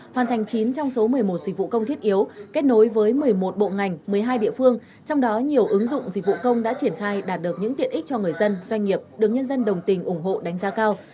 hoàn thành chín trong số một mươi một dịch vụ công thiết yếu kết nối với một mươi một bộ ngành một mươi hai địa phương trong đó nhiều ứng dụng dịch vụ công đã triển khai đạt được những tiện ích cho người dân doanh nghiệp được nhân dân đồng tình ủng hộ đánh giá cao